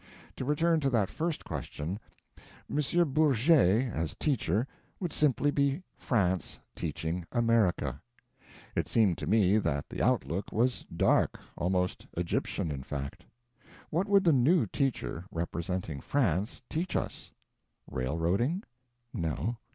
To return to that first question. M. Bourget, as teacher, would simply be France teaching America. It seemed to me that the outlook was dark almost Egyptian, in fact. What would the new teacher, representing France, teach us? Railroading? No.